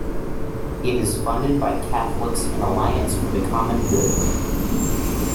It is funded by Catholics in Alliance for the Common Good.